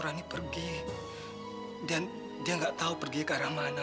mas gini aku mau pergi sekarang